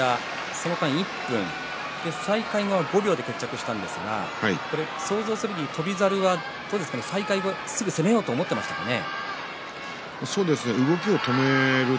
そこまで１分再開後５秒で決着したんですが翔猿は想像するに再開後すぐ攻めようと思ってましたかね。